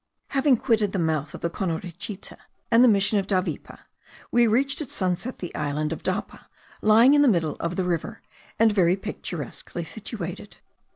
Having quitted the mouth of the Conorichite and the mission of Davipe, we reached at sunset the island of Dapa, lying in the middle of the river, and very picturesquely situated.